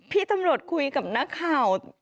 พี่ตำรวจคุยกับนักข่าว